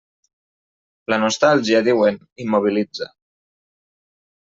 La nostàlgia, diuen, immobilitza.